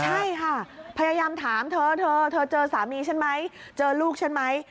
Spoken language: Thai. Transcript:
ใช่ค่ะพยายามถามเธอเธอเจอสามีฉันไหมเจอลูกฉันไหม